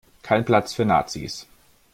Kein Platz für Nazis.